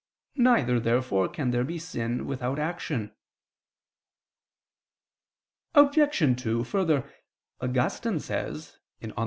Neither, therefore, can there be sin without action. Obj. 2: Further, Augustine says (De Lib. Arb.